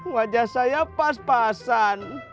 wajah saya pas pasan